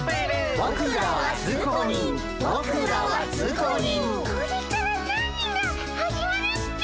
「ぼくらは通行人ぼくらは通行人」「これから何が始まるッピ？」